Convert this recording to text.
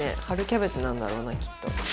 春キャベツなんだろうなきっと。